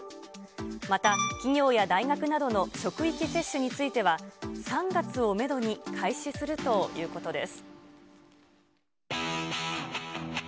また、企業や大学などの職域接種については、３月をメドに開始するということです。